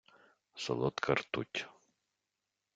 Солодка ртуть...